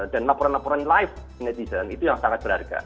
dan laporan laporan live netizen itu yang sangat berharga